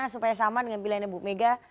supaya sama dengan pilihannya bu mega